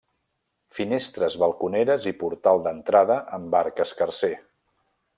Finestres balconeres i portal d'entrada amb arc escarser.